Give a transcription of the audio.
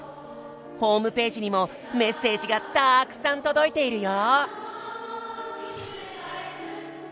ホームページにもメッセージがたくさん届いているよ！